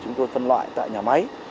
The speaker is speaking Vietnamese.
chúng tôi phân loại tại nhà máy